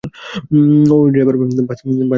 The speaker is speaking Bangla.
ওই ড্রাইভার, বাস থামাস না।